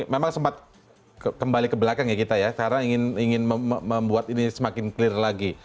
memang sempat kembali ke belakang ya kita ya karena ingin membuat ini semakin clear lagi